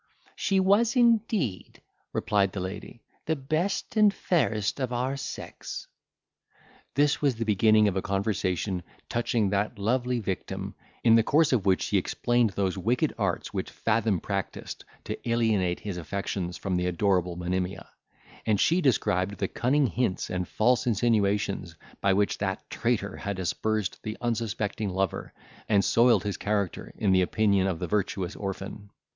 —"She was, indeed," replied the lady, "the best and fairest of our sex." This was the beginning of a conversation touching that lovely victim, in the course of which he explained those wicked arts which Fathom practised to alienate his affections from the adorable Monimia; and she described the cunning hints and false insinuations by which that traitor had aspersed the unsuspecting lover, and soiled his character in the opinion of the virtuous orphan.